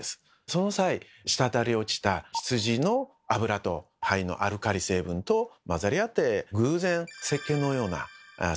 その際滴り落ちた「羊の脂」と「灰のアルカリ成分」と混ざり合って偶然せっけんのような成分が出来上がった。